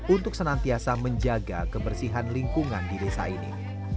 untuk senantiasa menjaga kebersihan lingkungan di desa ini